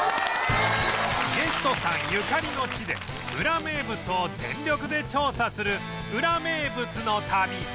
ゲストさんゆかりの地でウラ名物を全力で調査するウラ名物の旅